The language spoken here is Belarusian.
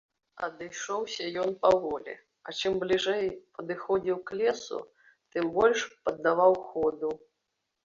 Адышоўся ён паволі, а чым бліжэй падыходзіў к лесу, тым больш паддаваў ходу.